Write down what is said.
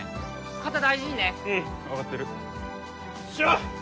肩大事にねうん分かってる・よっしゃ！